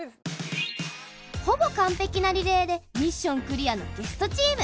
ほぼ完璧なリレーでミッションクリアのゲストチーム。